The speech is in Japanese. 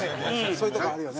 そういうとこあるよね。